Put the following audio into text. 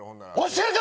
教えるか！